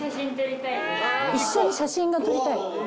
一緒に写真が撮りたい。